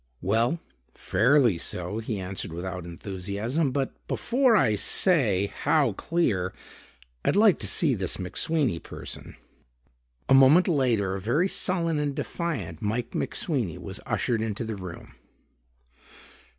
"Well, fairly so," he answered without enthusiasm. "But before I say how clear, I'd like to see this McSweeney person." A moment later a very sullen and defiant Mike McSweeney was ushered into the room.